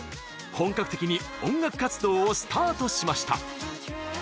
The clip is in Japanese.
本格的に音楽活動をスタートしました。